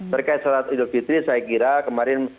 terkait sholat idul fitri saya kira kemarin